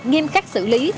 nghiêm khắc xử lý